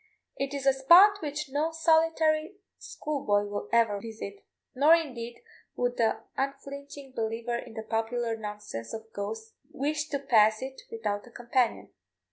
It is a spot which no solitary schoolboy will ever visit, nor indeed would the unflinching believer in the popular nonsense of ghosts wish to pass it without a companion.